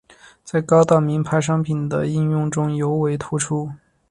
在高档名牌商品的应用中尤为突出。